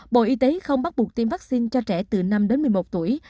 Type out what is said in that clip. bộ y tế không bắt buộc tiêm vaccine cho trẻ từ năm đến một mươi một tuổi